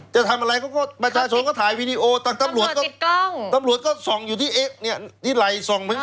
จะทำอะไรประชาชนก็ถ่ายวีดีโอตำรวจก็ส่องอยู่ที่ไหล่